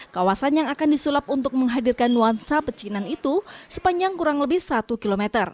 kawasan yang akan disulap untuk menghadirkan nuansa pecinan itu sepanjang kurang lebih satu km